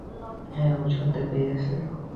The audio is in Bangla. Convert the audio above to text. হ্যাঁ, ও শুনতে পেয়েছে!